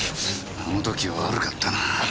あの時は悪かったな。